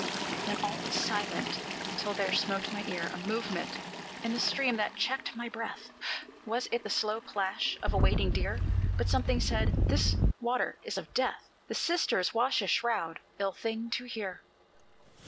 Then all was silent, till there smote my ear A movement in the stream that checked my breath: Was it the slow plash of a wading deer? But something said, "This water is of Death! The Sisters wash a shroud, ill thing to hear!"